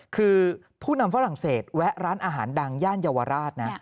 คือผู้นำฝรั่งเศสแวะร้านอาหารดังย่านเยาวราชนะ